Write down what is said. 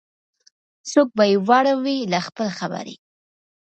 څوک به یې واړوي له خپل خبري